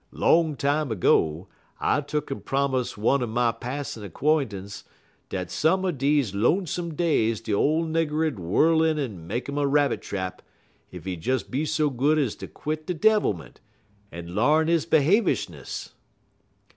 Long time ago, I tuck'n promise one er my passin' 'quaintance dat some er deze lonesome days de ole nigger 'd whirl in en make 'im a rabbit trap ef he'd des be so good ez to quit he devilment, en l'arn he behavishness."